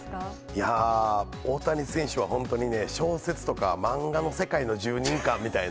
いやー、大谷選手は本当に、小説とか漫画の世界の住人かみたいな。